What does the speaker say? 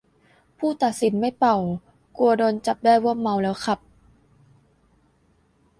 ผู้ตัดสินไม่เป่า กลัวโดนจับได้ว่าเมาแล้วขับ